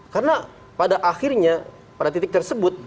karena pada akhirnya pada titik tersebut